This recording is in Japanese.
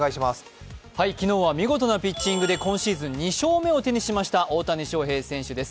昨日は見事なピッチングで今シーズン２勝目を挙げました大谷翔平選手です